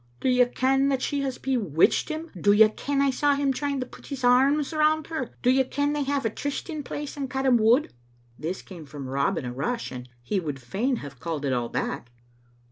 "Do you ken that she has bewitched him; do you ken I saw him trying to put his arms round her; do you ken they have a try sting place in Caddam wood?" This came from Rob in a rush, and he would fain have called it all back.